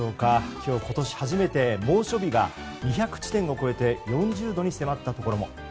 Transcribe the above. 今日、今年初めて猛暑日が２００地点を超えて４０度に迫ったところも。